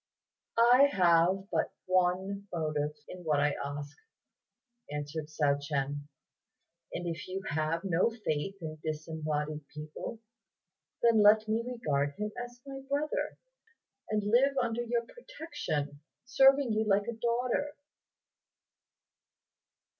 "I have but one motive in what I ask," answered Hsiao ch'ien, "and if you have no faith in disembodied people, then let me regard him as my brother, and live under your protection, serving you like a daughter."